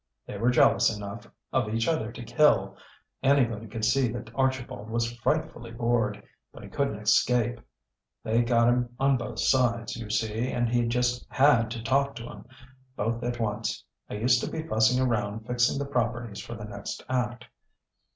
They were jealous enough, of each other to kill. Anybody could see that Archibald was frightfully bored, but he couldn't escape. They got him on both sides, you see, and he just had to talk to 'em, both at once. I used to be fussing around fixing the properties for the next act.